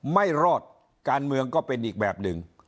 ไม่รอดการเมืองก็เป็นอีกแบบหนึ่ง